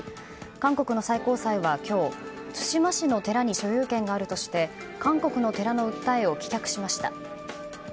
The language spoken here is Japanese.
韓国の最高裁は今日対馬市の寺に所有権があるとして韓国の寺の訴えを棄却しました。